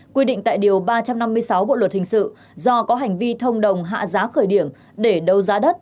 quy định tại điều ba trăm năm mươi sáu bộ luật hình sự do có hành vi thông đồng hạ giá khởi điểm để đấu giá đất